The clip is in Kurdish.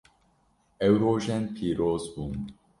Ew rojên pîroz bûn.